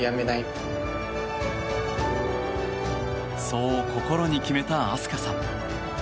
そう心に決めた飛鳥さん。